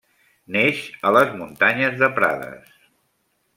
Neix a les Muntanyes de Prades.